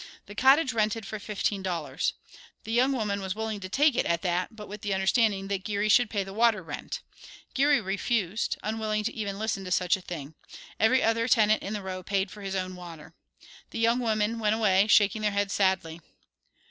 The cottage rented for fifteen dollars. The young woman was willing to take it at that, but with the understanding that Geary should pay the water rent. Geary refused, unwilling even to listen to such a thing. Every other tenant in the row paid for his own water. The young women went away shaking their heads sadly.